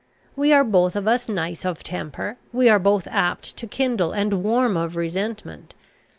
We are both of us nice of temper; we are both apt to kindle, and warm of resentment.